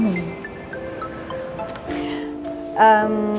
nanti ada surprise untuk kamu